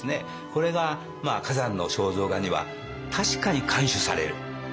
これが崋山の肖像画には確かに看取される。